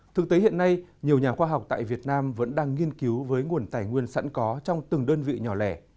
thực tế hiện nay nhiều nhà khoa học tại việt nam vẫn đang nghiên cứu với nguồn tài nguyên sẵn có trong từng đơn vị nhỏ lẻ